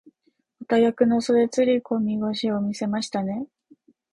また逆の袖釣り込み腰を見せましたね。